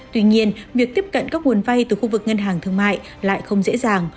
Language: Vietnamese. tuy nhiên việc tiếp cận các nguồn vay từ khu vực ngân hàng thương mại lại không dễ dàng